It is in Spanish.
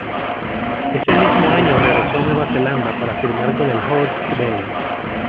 Ese mismo año regresó a Nueva Zelanda para firmar con el Hawke's Bay.